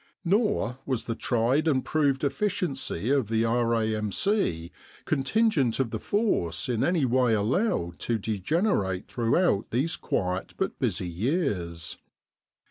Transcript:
Nor was the tried and proved efficiency of the R.A.M.C. con tingent of the force in any way allowed to degenerate throughout these quiet but busy years.